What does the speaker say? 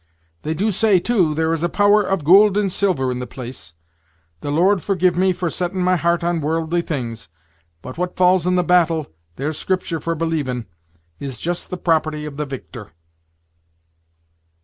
They do say, too, there is a power of goold and silver in the place the Lord forgive me for setting my heart on woorldly things; but what falls in the battle, there's scriptur' for believing, is the just property of the victor."